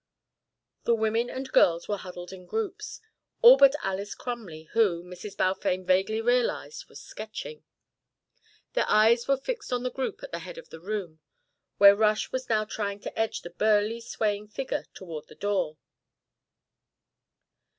The women and girls were huddled in groups, all but Alys Crumley, who, Mrs. Balfame vaguely realised, was sketching. Their eyes were fixed on the group at the head of the room, where Rush was now trying to edge the burly swaying figure toward the door.